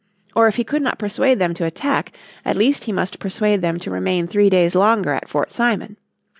Or if he could not persuade them to attack at least he must persuade them to remain three days longer at Fort Simon.